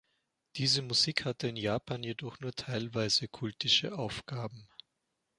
Diese Musik hatte in Japan jedoch nur teilweise kultische Aufgaben.